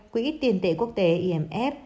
quỹ tiền tệ quốc tế imf